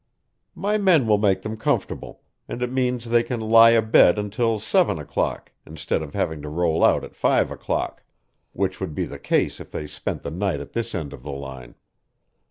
"My men will make them comfortable, and it means they can lie abed until seven o'clock instead of having to roll out at five o'clock, which would be the case if they spent the night at this end of the line.